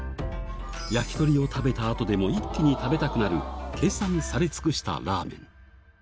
焼き鳥を食べたあとでも一気に食べたくなる、計算され尽くしたラーメン。